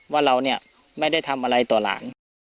ว่าเราเนี่ยไม่ได้ทำอะไรต่อหลาน